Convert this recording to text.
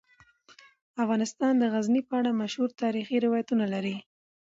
افغانستان د غزني په اړه مشهور تاریخی روایتونه لري.